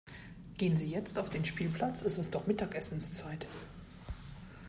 Gehen die jetzt auf den Spielplatz? Es ist doch Mittagessenszeit.